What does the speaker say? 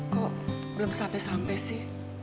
kok belum sampai sampai sih